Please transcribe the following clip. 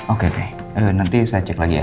oke oke nanti saya cek lagi ya